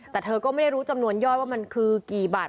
แต่เธอก็ไม่ได้รู้จำนวนยอดว่ามันคือกี่บาท